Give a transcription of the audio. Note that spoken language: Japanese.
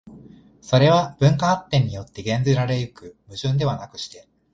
それは文化発展によって減ぜられ行く矛盾ではなくして、